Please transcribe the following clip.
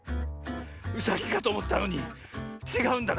うさぎかとおもったのにちがうんだな。